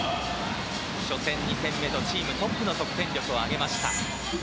初戦、２戦目とチームトップの得点力を上げました。